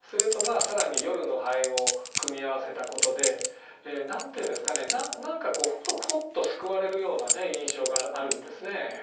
それと更に「夜の蠅」を組み合わせたことで何て言うんですかねほっと救われるような印象があるんですね。